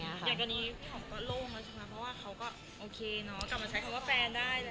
กลับมาใช้คำว่าแฟนได้เลย